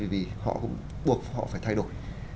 vì họ cũng buộc họ phải thay đổi